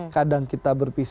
kadang kita berpisah